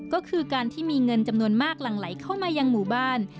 ก็คือการที่มีเงินจำนวนมากหลั่งไหลเข้ามายังหมู่บ้าน